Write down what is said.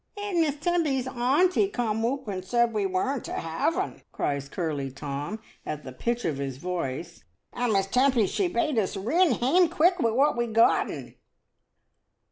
"And Miss Tempy's auntie cam oop and said we werrn't to have'n," cries curly Tom, at the pitch of his voice; "and Miss Tempy she bade us rin heam quick wi' what we gotten."